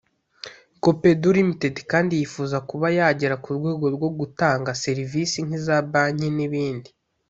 Copedu Ltd kandi yifuza kuba yagera ku rwego rwo gutanga serivisi nk’iza banki n’ibindi